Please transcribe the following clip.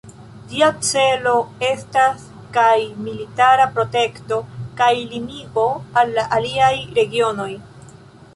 Ĝia celo estas kaj militara protekto, kaj limigo al la aliaj regionoj.